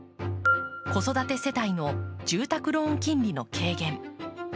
子育て世帯の住宅ローン金利の軽減。